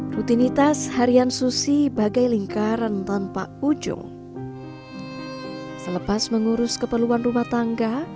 rutinitas harian susy bagai lingkaran tanpa ujung